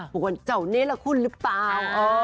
บอกว่าเจ้าเนละคุณหรือเปล่า